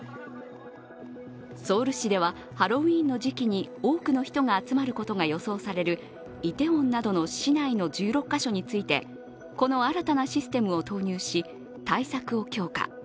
ソウル市ではハロウィーンの時期に多くの人が集まることが予想されるイテウォンなどの市内の１６か所についてこの新たなシステムを投入し、対策を強化。